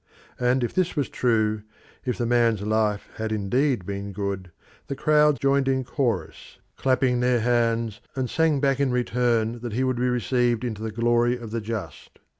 And if this was true, if the man's life had indeed been good, the crowd joined in chorus, clapping their hands, and sang back in return that he would be received into the glory of the just.